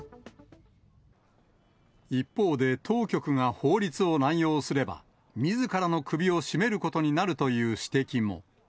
一方で、当局が法律を乱用すれば、みずからの首を絞めることになるという指摘も。